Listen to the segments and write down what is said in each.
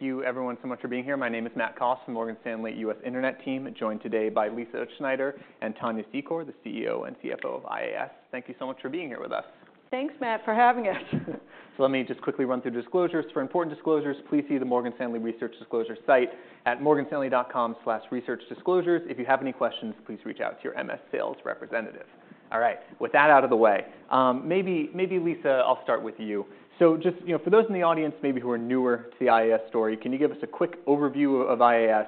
Thank you everyone so much for being here. My name is Matthew Cost from Morgan Stanley, U.S. Internet Team, and joined today by Lisa Utzschneider and Tania Secor, the CEO and CFO of IAS. Thank you so much for being here with us. Thanks, Matt, for having us. So let me just quickly run through disclosures. For important disclosures, please see the Morgan Stanley Research Disclosure site at morganstanley.com/researchdisclosures. If you have any questions, please reach out to your MS sales representative. All right, with that out of the way, maybe Lisa, I'll start with you. So just, you know, for those in the audience maybe who are newer to the IAS story, can you give us a quick overview of IAS,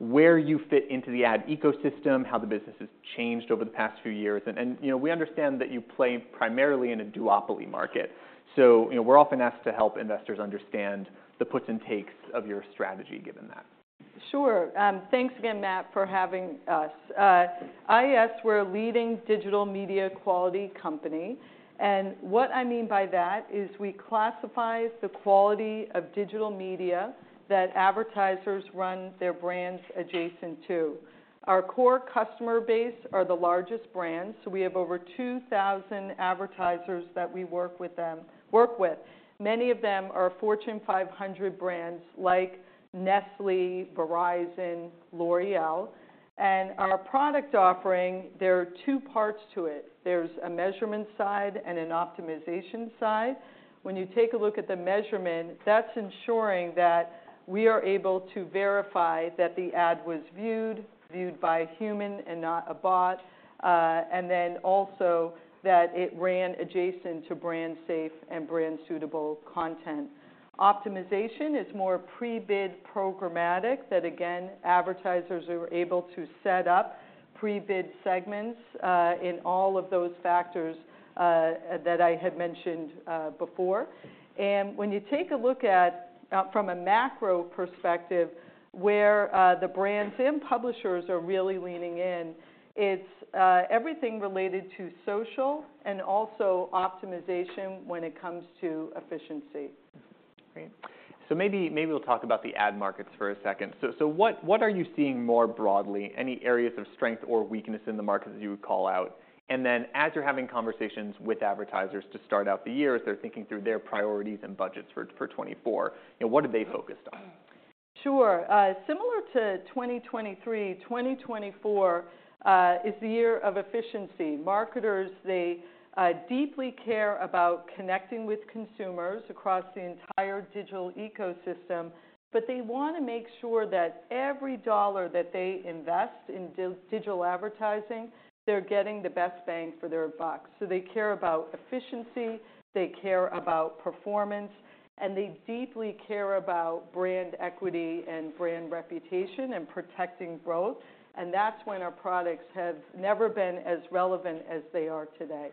where you fit into the ad ecosystem, how the business has changed over the past few years? And, you know, we understand that you play primarily in a duopoly market. So, you know, we're often asked to help investors understand the puts and takes of your strategy, given that. Sure. Thanks again, Matt, for having us. IAS, we're a leading digital media quality company, and what I mean by that is we classify the quality of digital media that advertisers run their brands adjacent to. Our core customer base are the largest brands, so we have over 2,000 advertisers that we work with. Many of them are Fortune 500 brands like Nestlé, Verizon, L'Oréal. Our product offering, there are two parts to it: there's a measurement side and an optimization side. When you take a look at the measurement, that's ensuring that we are able to verify that the ad was viewed by a human and not a bot, and then also that it ran adjacent to brand safe and brand suitable content. Optimization is more pre-bid programmatic that, again, advertisers are able to set up pre-bid segments, in all of those factors, that I had mentioned, before. When you take a look at, from a macro perspective, where, the brands and publishers are really leaning in, it's, everything related to social and also optimization when it comes to efficiency. Great. So maybe we'll talk about the ad markets for a second. So what are you seeing more broadly? Any areas of strength or weakness in the markets that you would call out? And then, as you're having conversations with advertisers to start out the year, as they're thinking through their priorities and budgets for 2024, you know, what are they focused on? Sure. Similar to 2023, 2024 is the year of efficiency. Marketers, they deeply care about connecting with consumers across the entire digital ecosystem, but they wanna make sure that every dollar that they invest in digital advertising, they're getting the best bang for their buck. So they care about efficiency, they care about performance, and they deeply care about brand equity and brand reputation, and protecting growth. And that's when our products have never been as relevant as they are today.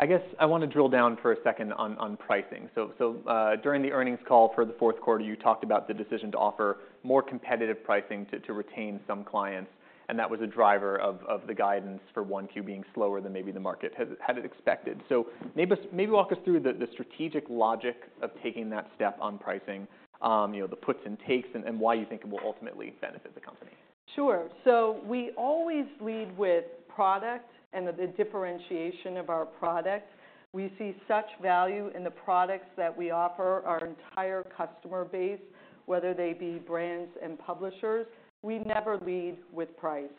Got it. I guess I want to drill down for a second on pricing. So during the earnings call for the fourth quarter, you talked about the decision to offer more competitive pricing to retain some clients, and that was a driver of the guidance for Q1 being slower than maybe the market had expected. So maybe walk us through the strategic logic of taking that step on pricing, you know, the puts and takes, and why you think it will ultimately benefit the company. Sure. So we always lead with product and the differentiation of our product. We see such value in the products that we offer our entire customer base, whether they be brands and publishers. We never lead with price.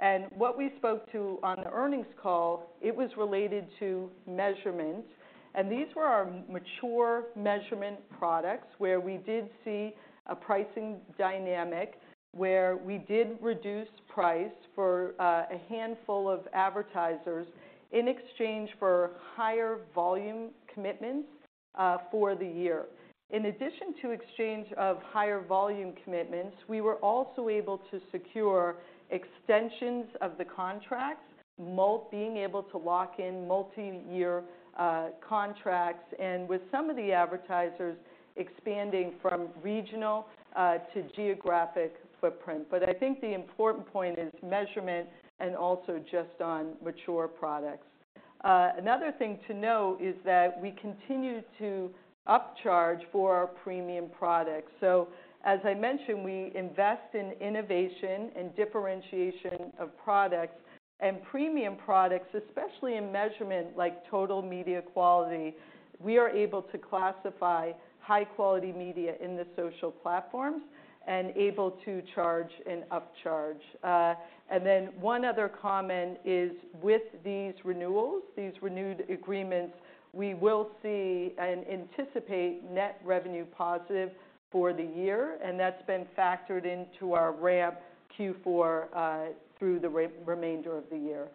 And what we spoke to on the earnings call, it was related to measurement, and these were our mature measurement products, where we did see a pricing dynamic, where we did reduce price for a handful of advertisers in exchange for higher volume commitments for the year. In addition to exchange of higher volume commitments, we were also able to secure extensions of the contracts, being able to lock in multi-year contracts, and with some of the advertisers, expanding from regional to geographic footprint. But I think the important point is measurement and also just on mature products. Another thing to note is that we continue to upcharge for our premium products. So as I mentioned, we invest in innovation and differentiation of products. And premium products, especially in measurement, like Total Media Quality, we are able to classify high-quality media in the social platforms and able to charge and upcharge. And then one other comment is, with these renewals, these renewed agreements, we will see and anticipate net revenue positive for the year, and that's been factored into our ramp Q4 through the remainder of the year.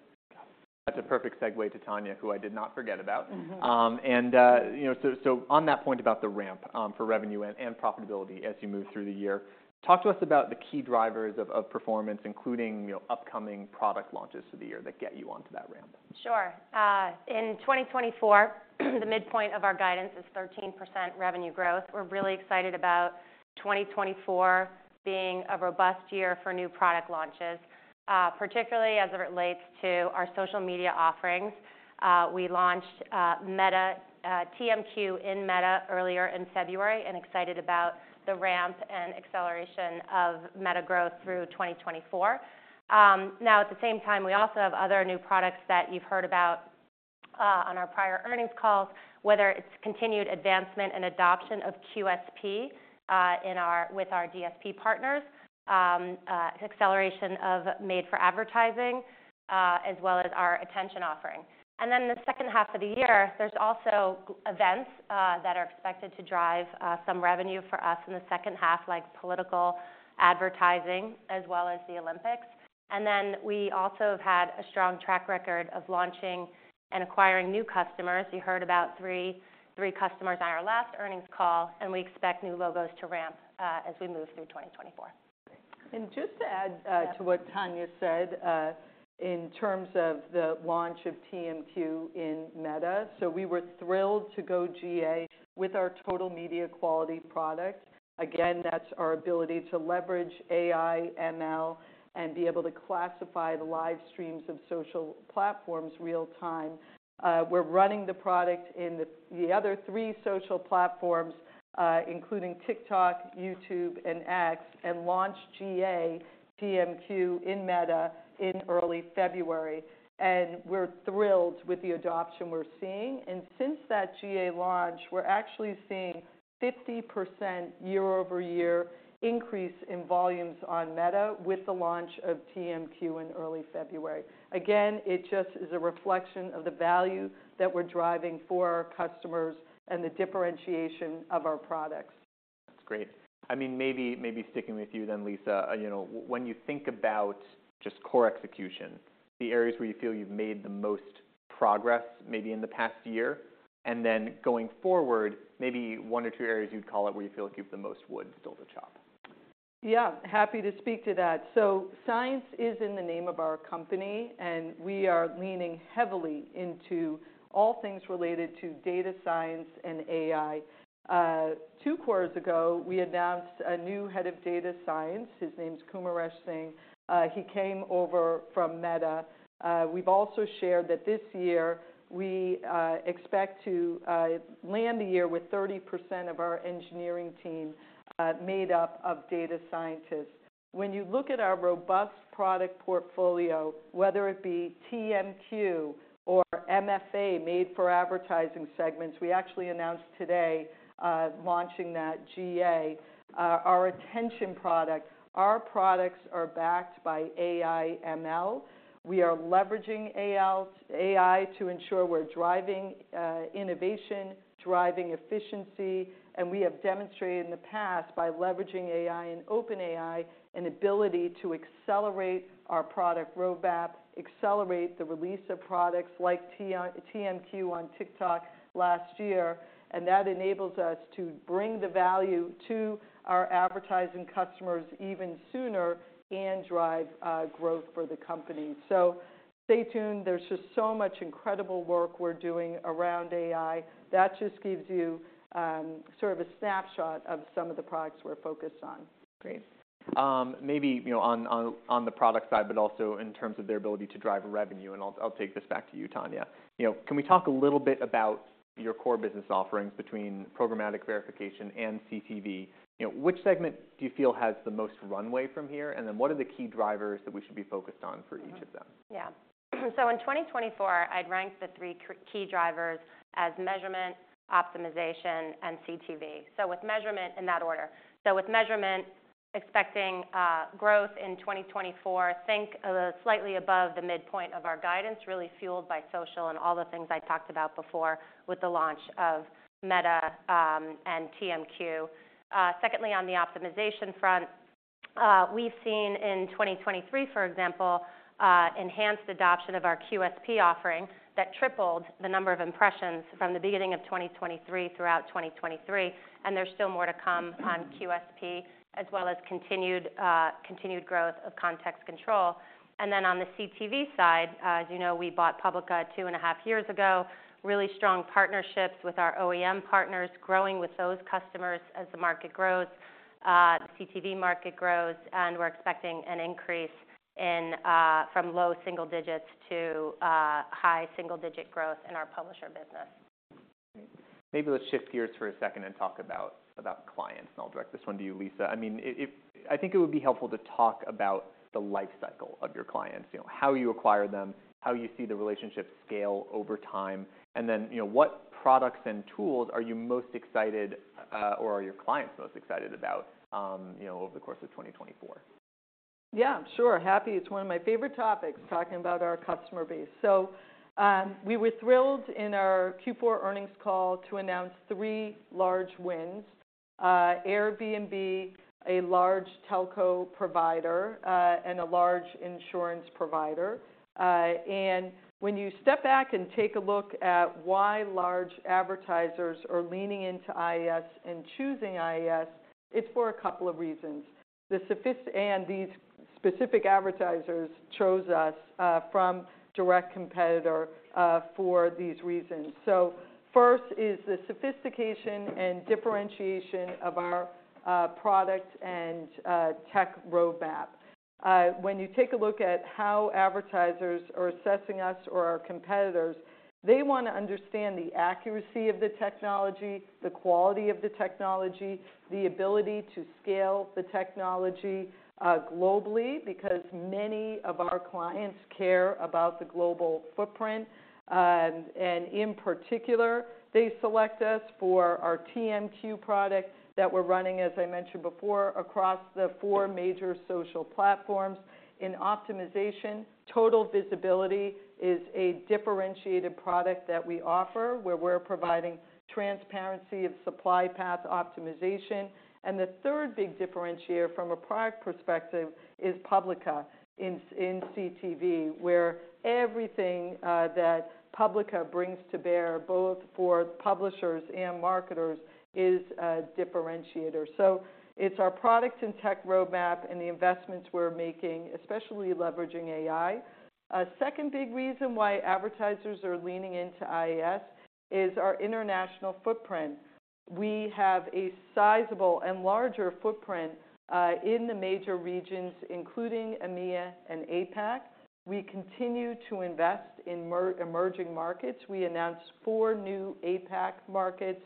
That's a perfect segue to Tania, who I did not forget about. Mm-hmm. And, you know, so on that point about the ramp, for revenue and profitability as you move through the year, talk to us about the key drivers of performance, including, you know, upcoming product launches for the year that get you onto that ramp. Sure. In 2024, the midpoint of our guidance is 13% revenue growth. We're really excited about 2024 being a robust year for new product launches, particularly as it relates to our social media offerings. We launched Meta TMQ in Meta earlier in February, and excited about the ramp and acceleration of Meta growth through 2024. Now, at the same time, we also have other new products that you've heard about on our prior earnings calls, whether it's continued advancement and adoption of QSP in our with our DSP partners, acceleration of Made for Advertising, as well as our attention offering. Then the second half of the year, there's also events that are expected to drive some revenue for us in the second half, like political advertising, as well as the Olympics. Then we also have had a strong track record of launching and acquiring new customers. You heard about three, three customers on our last earnings call, and we expect new logos to ramp as we move through 2024. Just to add to what Tania said in terms of the launch of TMQ in Meta. We were thrilled to go GA with our total media quality product. Again, that's our ability to leverage AI, ML, and be able to classify the live streams of social platforms real time. We're running the product in the other three social platforms, including TikTok, YouTube, and X, and launched GA TMQ in Meta in early February, and we're thrilled with the adoption we're seeing. Since that GA launch, we're actually seeing 50% year-over-year increase in volumes on Meta with the launch of TMQ in early February. Again, it just is a reflection of the value that we're driving for our customers and the differentiation of our products. That's great. I mean, maybe, maybe sticking with you then, Lisa, you know, when you think about just core execution, the areas where you feel you've made the most progress, maybe in the past year, and then going forward, maybe one or two areas you'd call out where you feel like you've the most wood still to chop. Yeah, happy to speak to that. So science is in the name of our company, and we are leaning heavily into all things related to data science and AI. Two quarters ago, we announced a new head of data science. His name's Kumaresh Pattabiraman. He came over from Meta. We've also shared that this year, we expect to land the year with 30% of our engineering team made up of data scientists. When you look at our robust product portfolio, whether it be TMQ or MFA, Made for Advertising segments, we actually announced today launching that GA, our attention product. Our products are backed by AI, ML. We are leveraging AI to ensure we're driving innovation, driving efficiency, and we have demonstrated in the past, by leveraging AI and OpenAI, an ability to accelerate our product roadmap, accelerate the release of products like TMQ on TikTok last year, and that enables us to bring the value to our advertising customers even sooner and drive growth for the company. So stay tuned. There's just so much incredible work we're doing around AI. That just gives you sort of a snapshot of some of the products we're focused on. Great. Maybe, you know, on the product side, but also in terms of their ability to drive revenue, and I'll take this back to you, Tania. You know, can we talk a little bit about your core business offerings between programmatic verification and CTV? You know, which segment do you feel has the most runway from here? And then, what are the key drivers that we should be focused on for each of them? Mm-hmm. Yeah. So in 2024, I'd rank the three key drivers as measurement, optimization, and CTV. So with measurement, in that order. So with measurement, expecting growth in 2024, think slightly above the midpoint of our guidance, really fueled by social and all the things I talked about before with the launch of Meta and TMQ. Secondly, on the optimization front, we've seen in 2023, for example, enhanced adoption of our QSP offering that tripled the number of impressions from the beginning of 2023 throughout 2023, and there's still more to come on QSP, as well as continued growth of Context Control. And then on the CTV side, as you know, we bought Publica two and a half years ago, really strong partnerships with our OEM partners, growing with those customers as the market grows, the CTV market grows, and we're expecting an increase in, from low single digits to, high single-digit growth in our publisher business. Maybe let's shift gears for a second and talk about clients, and I'll direct this one to you, Lisa. I mean, I think it would be helpful to talk about the life cycle of your clients. You know, how you acquire them, how you see the relationship scale over time, and then, you know, what products and tools are you most excited, or are your clients most excited about, you know, over the course of 2024? Yeah, sure. Happy, it's one of my favorite topics, talking about our customer base. So, we were thrilled in our Q4 earnings call to announce three large wins: Airbnb, a large telco provider, and a large insurance provider. And when you step back and take a look at why large advertisers are leaning into IAS and choosing IAS, it's for a couple of reasons. And these specific advertisers chose us from direct competitor for these reasons. So first is the sophistication and differentiation of our product and tech roadmap. When you take a look at how advertisers are assessing us or our competitors, they want to understand the accuracy of the technology, the quality of the technology, the ability to scale the technology globally, because many of our clients care about the global footprint. And in particular, they select us for our TMQ product that we're running, as I mentioned before, across the four major social platforms. In optimization, Total Visibility is a differentiated product that we offer, where we're providing transparency of supply path optimization. And the third big differentiator from a product perspective is Publica in CTV, where everything that Publica brings to bear, both for publishers and marketers, is a differentiator. So it's our product and tech roadmap and the investments we're making, especially leveraging AI. A second big reason why advertisers are leaning into IAS is our international footprint. We have a sizable and larger footprint in the major regions, including EMEA and APAC. We continue to invest in emerging markets. We announced four new APAC markets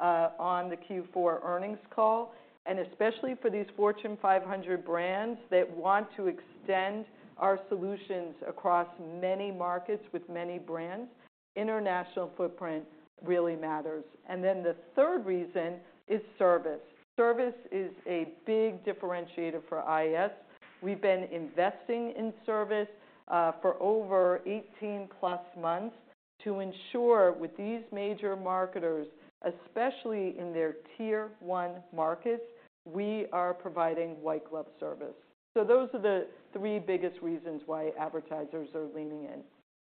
on the Q4 earnings call, and especially for these Fortune 500 brands that want to extend our solutions across many markets with many brands, international footprint really matters. Then the third reason is service. Service is a big differentiator for IAS. We've been investing in service for over 18+ months to ensure with these major marketers, especially in their tier one markets, we are providing white glove service. So those are the 3 biggest reasons why advertisers are leaning in.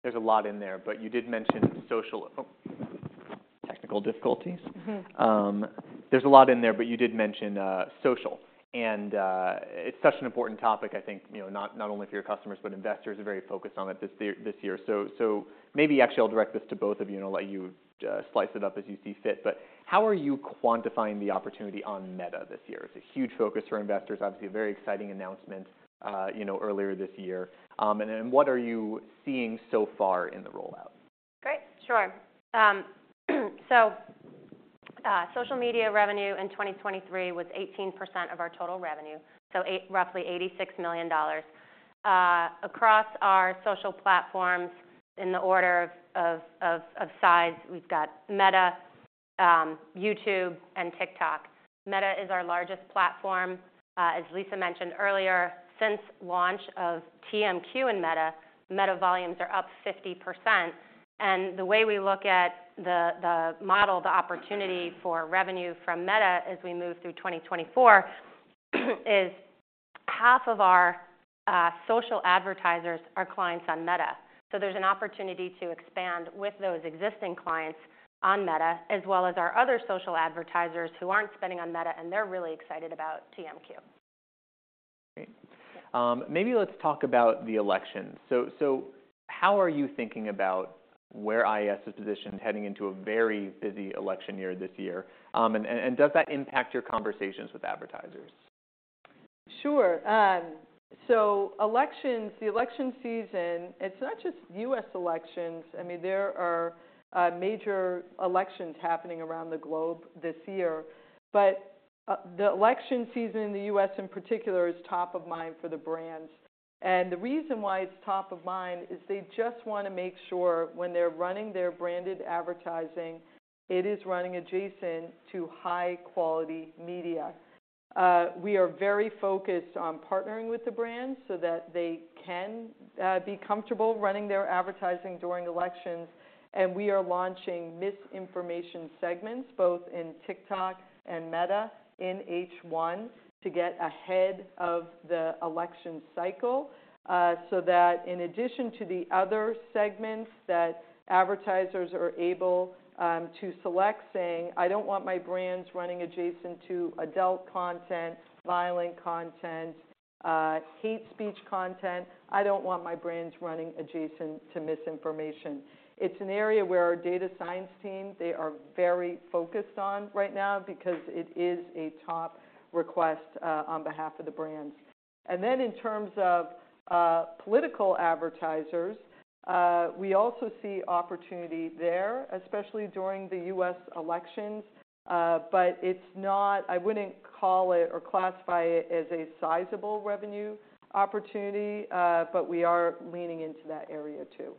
There's a lot in there, but you did mention social. Oh, technical difficulties. Mm-hmm. There's a lot in there, but you did mention social, and it's such an important topic, I think, you know, not only for your customers, but investors are very focused on it this year. So maybe actually I'll direct this to both of you, and I'll let you slice it up as you see fit. But how are you quantifying the opportunity on Meta this year? It's a huge focus for investors. Obviously, a very exciting announcement, you know, earlier this year. And then what are you seeing so far in the rollout? Great, sure. So, social media revenue in 2023 was 18% of our total revenue, so roughly $86 million. Across our social platforms, in the order of size, we've got Meta, YouTube, and TikTok. Meta is our largest platform. As Lisa mentioned earlier, since launch of TMQ in Meta, Meta volumes are up 50%. And the way we look at the model, the opportunity for revenue from Meta as we move through 2024, is half of our social advertisers are clients on Meta. So there's an opportunity to expand with those existing clients on Meta, as well as our other social advertisers who aren't spending on Meta, and they're really excited about TMQ. Great. Maybe let's talk about the election. So, how are you thinking about where IAS is positioned, heading into a very busy election year this year? And, does that impact your conversations with advertisers? Sure. So elections, the election season, it's not just U.S. elections. I mean, there are major elections happening around the globe this year. But the election season in the U.S., in particular, is top of mind for the brands. And the reason why it's top of mind is they just want to make sure when they're running their branded advertising, it is running adjacent to high-quality media. We are very focused on partnering with the brands so that they can be comfortable running their advertising during elections. And we are launching misinformation segments, both in TikTok and Meta, in H1 to get ahead of the election cycle, so that in addition to the other segments that advertisers are able to select, saying, "I don't want my brands running adjacent to adult content, violent content, hate speech content, I don't want my brands running adjacent to misinformation." It's an area where our data science team, they are very focused on right now because it is a top request on behalf of the brands. And then in terms of political advertisers, we also see opportunity there, especially during the U.S. elections. But it's not. I wouldn't call it or classify it as a sizable revenue opportunity, but we are leaning into that area, too.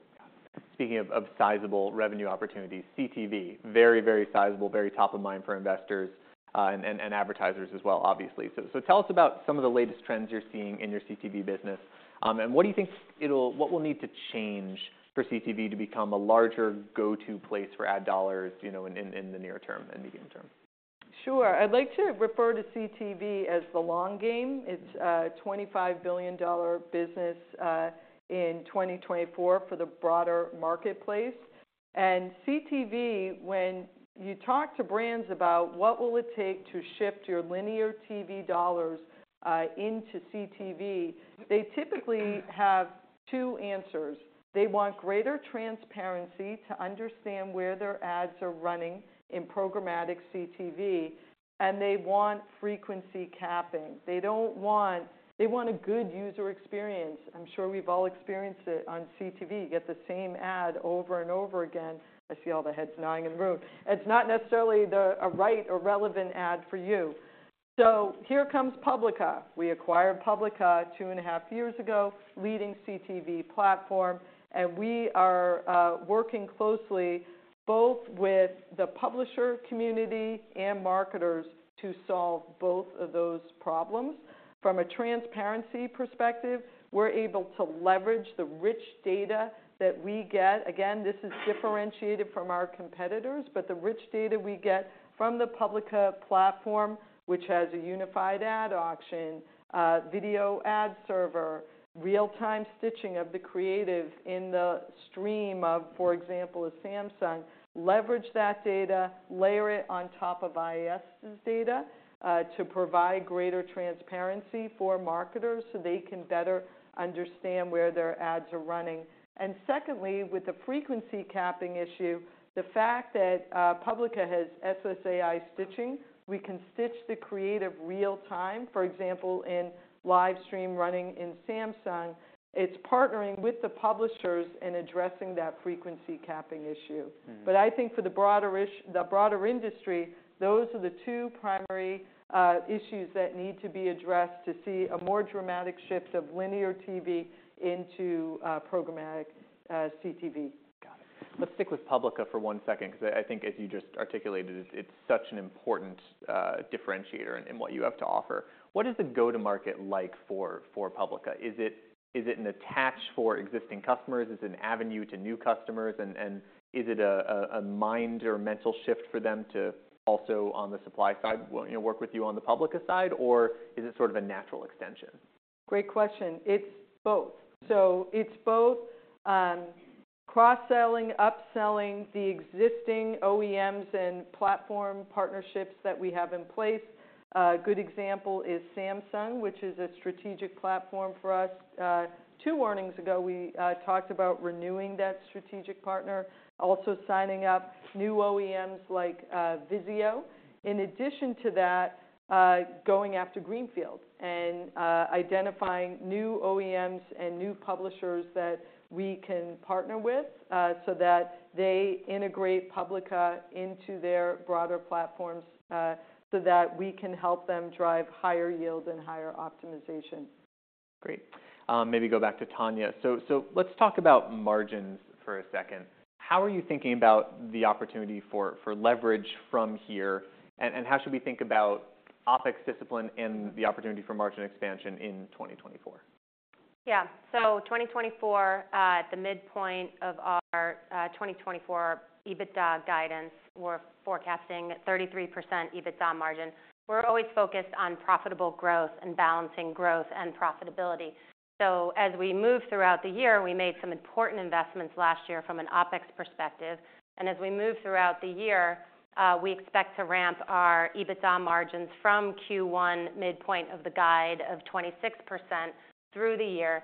Speaking of sizable revenue opportunities, CTV, very, very sizable, very top of mind for investors and advertisers as well, obviously. So tell us about some of the latest trends you're seeing in your CTV business, and what do you think it'll—what will need to change for CTV to become a larger go-to place for ad dollars, you know, in the near term and the medium term? Sure. I'd like to refer to CTV as the long game. It's a $25 billion business in 2024 for the broader marketplace. CTV, when you talk to brands about what will it take to shift your linear TV dollars into CTV, they typically have two answers: they want greater transparency to understand where their ads are running in programmatic CTV, and they want frequency capping. They don't want- They want a good user experience. I'm sure we've all experienced it on CTV. You get the same ad over and over again. I see all the heads nodding in the room. It's not necessarily the, a right or relevant ad for you. So here comes Publica. We acquired Publica 2.5 years ago, leading CTV platform, and we are working closely both with the publisher community and marketers to solve both of those problems. From a transparency perspective, we're able to leverage the rich data that we get. Again, this is differentiated from our competitors, but the rich data we get from the Publica platform, which has a unified ad auction, video ad server, real-time stitching of the creative in the stream of, for example, a Samsung, leverage that data, layer it on top of IAS's data, to provide greater transparency for marketers, so they can better understand where their ads are running. And secondly, with the frequency capping issue, the fact that Publica has SSAI stitching, we can stitch the creative real time. For example, in live stream running in Samsung, it's partnering with the publishers in addressing that frequency capping issue. Mm-hmm. I think for the broader industry, those are the two primary issues that need to be addressed to see a more dramatic shift of linear TV into programmatic CTV. Got it. Let's stick with Publica for one second, because I think, as you just articulated, it's such an important differentiator in what you have to offer. What is the go-to-market like for Publica? Is it an attach for existing customers? Is it an avenue to new customers? And is it a mind or mental shift for them to also, on the supply side, you know, work with you on the Publica side, or is it sort of a natural extension? Great question. It's both. So it's both, cross-selling, upselling the existing OEMs and platform partnerships that we have in place. A good example is Samsung, which is a strategic platform for us. Two quarters ago, we talked about renewing that strategic partnership, also signing up new OEMs like VIZIO. In addition to that, going after greenfield and identifying new OEMs and new publishers that we can partner with, so that they integrate Publica into their broader platforms, so that we can help them drive higher yield and higher optimization. Great. Maybe go back to Tania. So, let's talk about margins for a second. How are you thinking about the opportunity for leverage from here? And how should we think about OpEx discipline and the opportunity for margin expansion in 2024? Yeah. So 2024, at the midpoint of our 2024 EBITDA guidance, we're forecasting 33% EBITDA margin. We're always focused on profitable growth and balancing growth and profitability. So as we move throughout the year, we made some important investments last year from an OpEx perspective. And as we move throughout the year, we expect to ramp our EBITDA margins from Q1 midpoint of the guide of 26% through the year,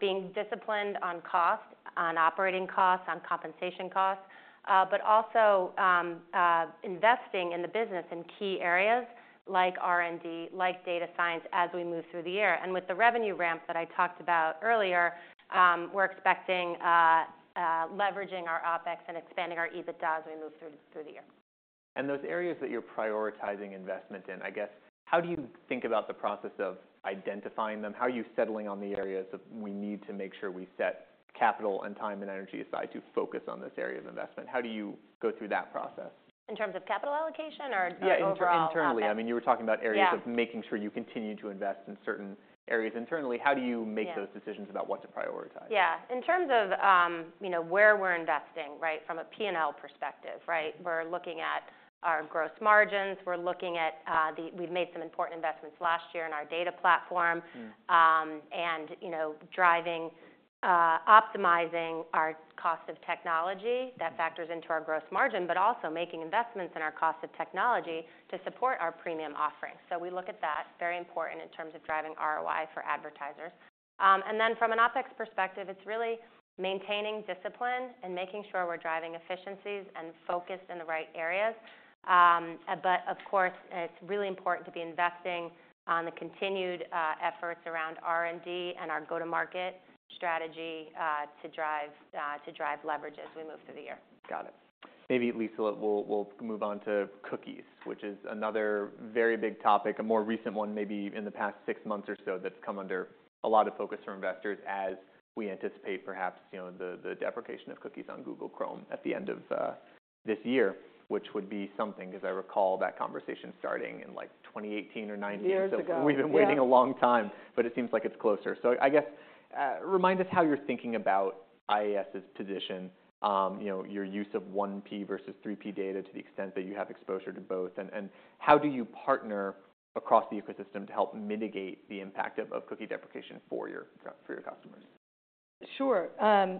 being disciplined on cost, on operating costs, on compensation costs, but also investing in the business in key areas like R&D, like data science, as we move through the year. And with the revenue ramp that I talked about earlier, we're expecting leveraging our OpEx and expanding our EBITDA as we move through, through the year. And those areas that you're prioritizing investment in, I guess, how do you think about the process of identifying them? How are you settling on the areas of, we need to make sure we set capital and time and energy aside to focus on this area of investment? How do you go through that process? In terms of capital allocation or, overall OpEx? Yeah, internally. I mean, you were talking about areas Yeah of making sure you continue to invest in certain areas internally. How do you Yeah make those decisions about what to prioritize? Yeah. In terms of, you know, where we're investing, right, from a P&L perspective, right? We're looking at our gross margins. We're looking at, the... We've made some important investments last year in our data platform. Mm-hmm and you know, driving, optimizing our cost of technology that factors into our gross margin, but also making investments in our cost of technology to support our premium offerings. So we look at that. Very important in terms of driving ROI for advertisers. And then from an OpEx perspective, it's really maintaining discipline and making sure we're driving efficiencies and focused in the right areas. But of course, it's really important to be investing on the continued efforts around R&D and our go-to-market strategy to drive to drive leverage as we move through the year. Got it. Maybe, Lisa, we'll move on to cookies, which is another very big topic, a more recent one, maybe in the past six months or so, that's come under a lot of focus from investors as we anticipate perhaps, you know, the deprecation of cookies on Google Chrome at the end of this year, which would be something, because I recall that conversation starting in, like, 2018 or 2019. Years ago. So we've been Yeah waiting a long time, but it seems like it's closer. So I guess, remind us how you're thinking about IAS's position, you know, your use of 1P versus 3P data, to the extent that you have exposure to both. And how do you partner across the ecosystem to help mitigate the impact of cookie deprecation for your customers? Sure,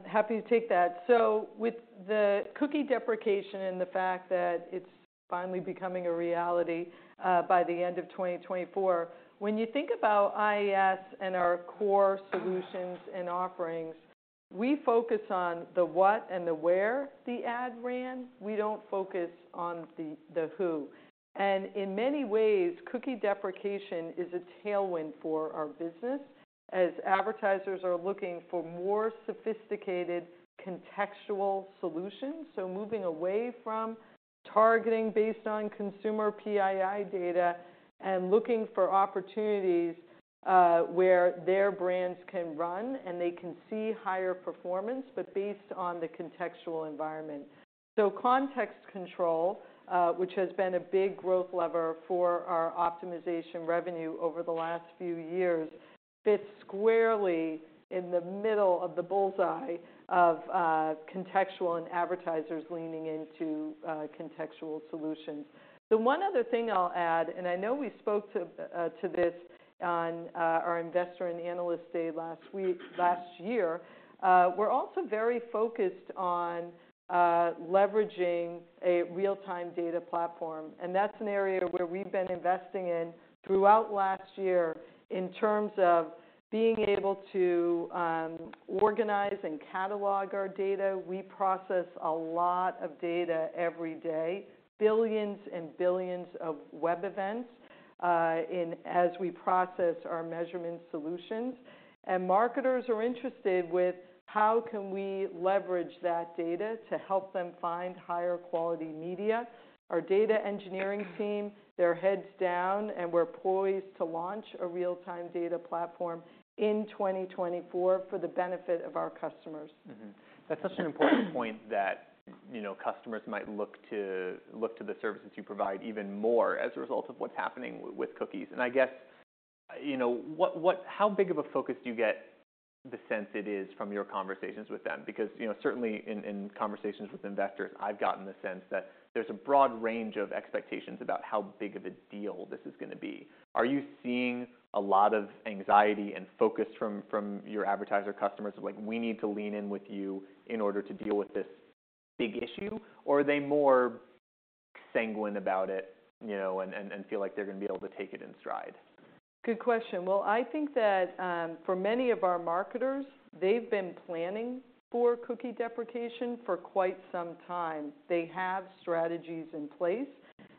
happy to take that. So with the cookie deprecation and the fact that it's finally becoming a reality by the end of 2024, when you think about IAS and our core solutions and offerings, we focus on the what and the where the ad ran. We don't focus on the who. And in many ways, cookie deprecation is a tailwind for our business, as advertisers are looking for more sophisticated contextual solutions. So moving away from targeting based on consumer PII data and looking for opportunities where their brands can run and they can see higher performance, but based on the contextual environment. So Context Control, which has been a big growth lever for our optimization revenue over the last few years, fits squarely in the middle of the bull's-eye of contextual and advertisers leaning into contextual solutions. The one other thing I'll add, and I know we spoke to, to this on our Investor and Analyst Day last week - last year. We're also very focused on leveraging a real-time data platform, and that's an area where we've been investing in throughout last year in terms of being able to organize and catalog our data. We process a lot of data every day, billions and billions of web events, in - as we process our measurement solutions. And marketers are interested with how can we leverage that data to help them find higher quality media. Our data engineering team, they're heads down, and we're poised to launch a real-time data platform in 2024 for the benefit of our customers. Mm-hmm. That's such an important point that, you know, customers might look to the services you provide even more as a result of what's happening with cookies. And I guess, you know, how big of a focus do you get the sense it is from your conversations with them? Because, you know, certainly in conversations with investors, I've gotten the sense that there's a broad range of expectations about how big of a deal this is gonna be. Are you seeing a lot of anxiety and focus from your advertiser customers, like, "We need to lean in with you in order to deal with this big issue?" Or are they more sanguine about it, you know, and feel like they're gonna be able to take it in stride? Good question. Well, I think that, for many of our marketers, they've been planning for cookie deprecation for quite some time. They have strategies in place,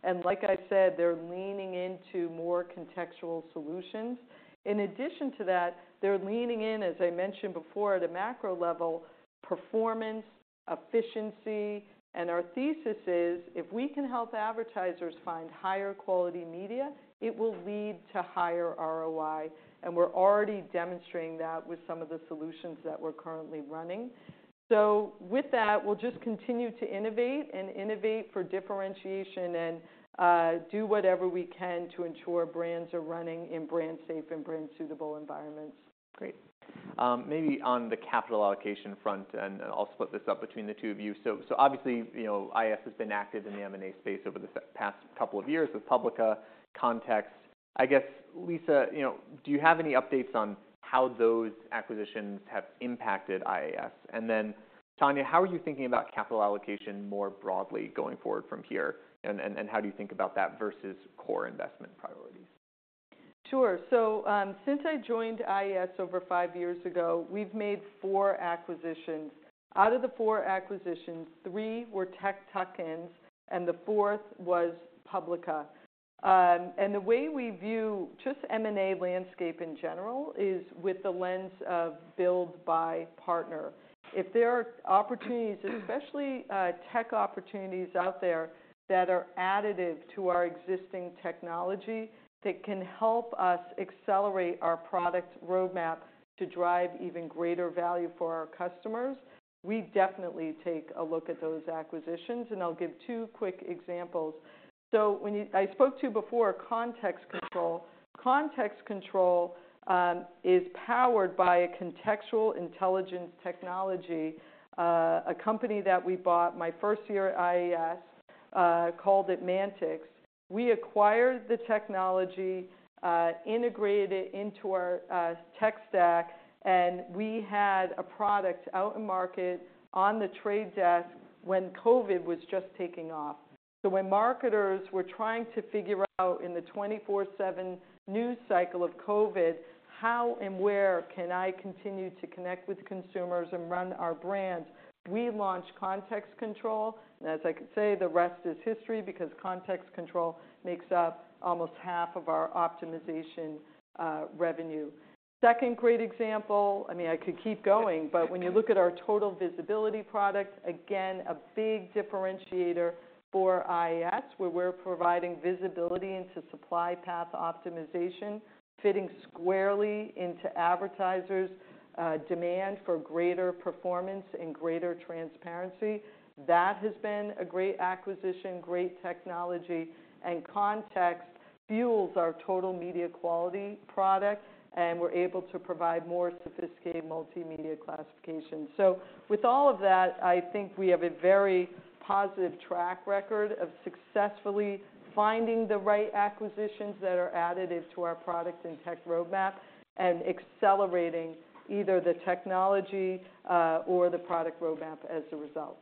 and like I said, they're leaning into more contextual solutions. In addition to that, they're leaning in, as I mentioned before, at a macro level, performance, efficiency. And our thesis is: if we can help advertisers find higher quality media, it will lead to higher ROI, and we're already demonstrating that with some of the solutions that we're currently running. So with that, we'll just continue to innovate and innovate for differentiation and, do whatever we can to ensure brands are running in brand safe and brand suitable environments. Great. Maybe on the capital allocation front, and I'll split this up between the two of you. So obviously, you know, IAS has been active in the M&A space over the past couple of years with Publica, Context. I guess, Lisa, you know, do you have any updates on how those acquisitions have impacted IAS? And then, Tania, how are you thinking about capital allocation more broadly going forward from here, and how do you think about that versus core investment priorities? Sure. So, since I joined IAS over five years ago, we've made four acquisitions. Out of the four acquisitions, three were tech tuck-ins, and the fourth was Publica. And the way we view just M&A landscape in general is with the lens of build/buy/partner. If there are opportunities, especially, tech opportunities out there that are additive to our existing technology, that can help us accelerate our product roadmap to drive even greater value for our customers, we definitely take a look at those acquisitions, and I'll give two quick examples. So when you-- I spoke to you before, Context Control. Context Control is powered by a contextual intelligence technology, a company that we bought my first year at IAS, called ADmantX. We acquired the technology, integrated it into our, tech stack, and we had a product out in market on The Trade Desk when COVID was just taking off. So when marketers were trying to figure out in the 24/7 news cycle of COVID, how and where can I continue to connect with consumers and run our brands? We launched Context Control, and as I could say, the rest is history, because Context Control makes up almost half of our optimization, revenue. Second great example, I mean, I could keep going, but when you look at our Total Visibility product, again, a big differentiator for IAS, where we're providing visibility into Supply Path Optimization, fitting squarely into advertisers', demand for greater performance and greater transparency. That has been a great acquisition, great technology, and context fuels our Total Media Quality product, and we're able to provide more sophisticated multimedia classification. So with all of that, I think we have a very positive track record of successfully finding the right acquisitions that are additive to our products and tech roadmap, and accelerating either the technology, or the product roadmap as a result.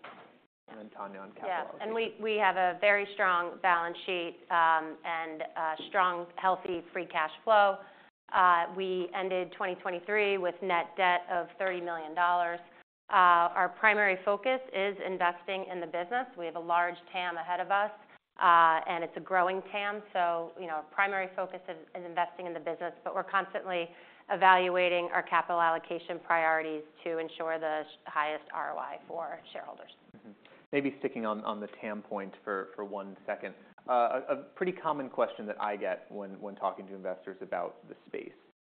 and Tania on capital allocation. Yeah, and we have a very strong balance sheet and a strong, healthy free cash flow. We ended 2023 with net debt of $30 million. Our primary focus is investing in the business. We have a large TAM ahead of us, and it's a growing TAM, so, you know, primary focus is investing in the business, but we're constantly evaluating our capital allocation priorities to ensure the highest ROI for shareholders. Mm-hmm. Maybe sticking on the TAM point for one second. A pretty common question that I get when talking to investors about the space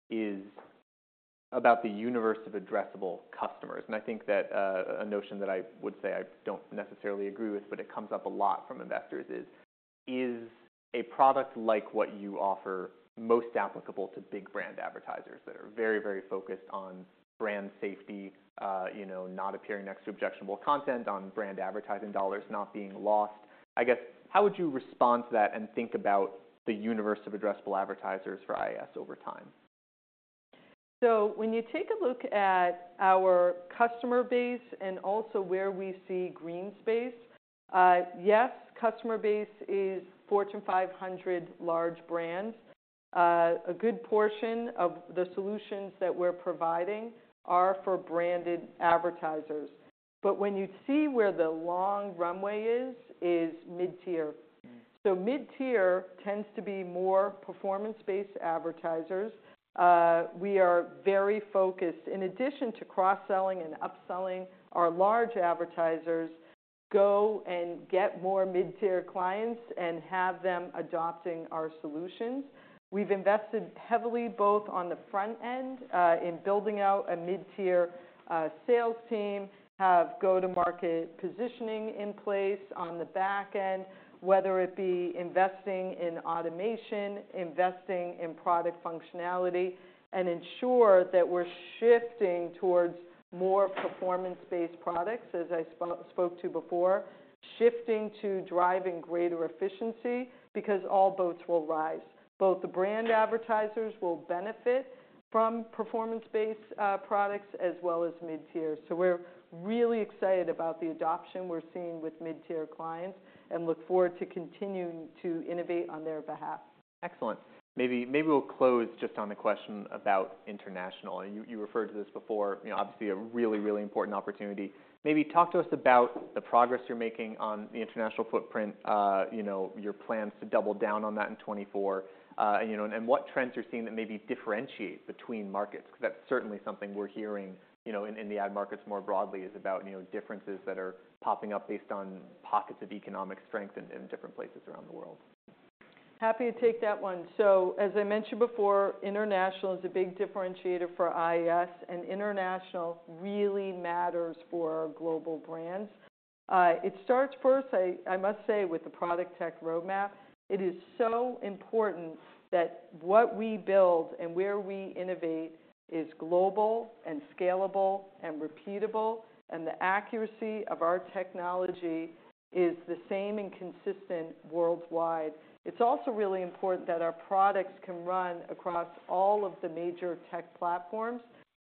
is about the universe of addressable customers, and I think that a notion that I would say I don't necessarily agree with, but it comes up a lot from investors is: Is a product like what you offer most applicable to big brand advertisers that are very, very focused on brand safety? You know, not appearing next to objectionable content, on brand advertising dollars not being lost. I guess, how would you respond to that and think about the universe of addressable advertisers for IAS over time? When you take a look at our customer base and also where we see green space, yes, customer base is Fortune 500 large brands. A good portion of the solutions that we're providing are for branded advertisers. But when you see where the long runway is, mid-tier. Mm. Mid-tier tends to be more performance-based advertisers. We are very focused, in addition to cross-selling and upselling our large advertisers, go and get more mid-tier clients and have them adopting our solutions. We've invested heavily, both on the front end, in building out a mid-tier, sales team, have go-to-market positioning in place on the back end, whether it be investing in automation, investing in product functionality, and ensure that we're shifting towards more performance-based products, as I spoke to before, shifting to driving greater efficiency, because all boats will rise. Both the brand advertisers will benefit from performance-based products as well as mid-tier. We're really excited about the adoption we're seeing with mid-tier clients and look forward to continuing to innovate on their behalf. Excellent. Maybe, maybe we'll close just on the question about international. You referred to this before, you know, obviously a really, really important opportunity. Maybe talk to us about the progress you're making on the international footprint, you know, your plans to double down on that in 2024. You know, and what trends you're seeing that maybe differentiate between markets? Because that's certainly something we're hearing, you know, in the ad markets more broadly, is about, you know, differences that are popping up based on pockets of economic strength in different places around the world. Happy to take that one. So as I mentioned before, international is a big differentiator for IAS, and international really matters for our global brands. It starts first, I must say, with the product tech roadmap. It is so important that what we build and where we innovate is global, and scalable, and repeatable, and the accuracy of our technology is the same and consistent worldwide. It's also really important that our products can run across all of the major tech platforms,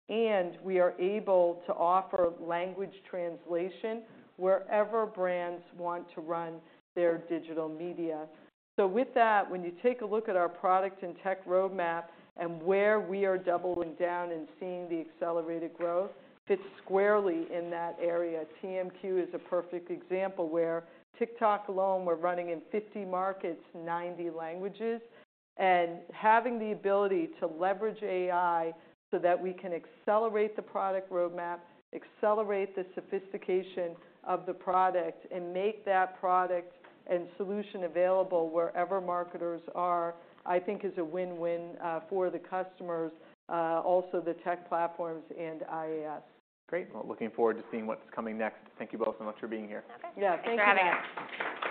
and we are able to offer language translation wherever brands want to run their digital media. So with that, when you take a look at our product and tech roadmap and where we are doubling down and seeing the accelerated growth, fits squarely in that area. TMQ is a perfect example, where TikTok alone, we're running in 50 markets, 90 languages. Having the ability to leverage AI so that we can accelerate the product roadmap, accelerate the sophistication of the product, and make that product and solution available wherever marketers are, I think is a win-win for the customers, also the tech platforms and IAS. Great. Well, looking forward to seeing what's coming next. Thank you both so much for being here. Okay. Yeah. Thank you.